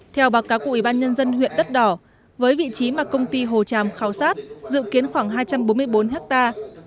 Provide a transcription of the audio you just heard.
theo báo cáo của ủy ban nhân dân huyện đất đỏ với vị trí mà công ty hồ tràm khảo sát dự kiến khoảng hai trăm bốn mươi bốn hectare